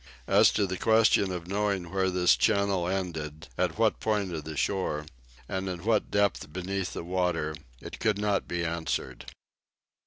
As to the question of knowing where this channel ended, at what point of the shore, and at what depth beneath the water, it could not be answered.